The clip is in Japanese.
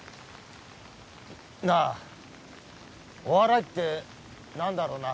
なあお笑いってなんだろうな？